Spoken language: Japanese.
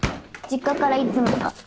実家からいつもの。